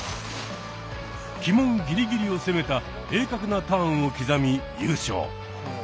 旗門ギリギリを攻めた鋭角なターンを刻み優勝。